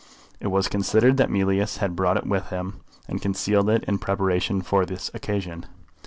It was considered that Mealyus had brought it with him, and concealed it in preparation for this occasion.